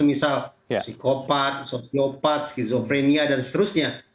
misal psikopat soskriopat skizofrenia dan seterusnya